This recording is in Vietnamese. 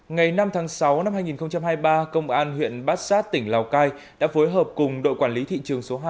ngày năm tháng sáu năm hai nghìn hai mươi ba công an huyện bát sát tỉnh lào cai đã phối hợp cùng đội quản lý thị trường số hai